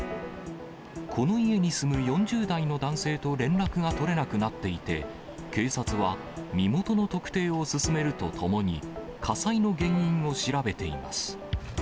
この家に住む４０代の男性と連絡が取れなくなっていて、警察は身元の特定を進めるとともに、火災の原因を調べています。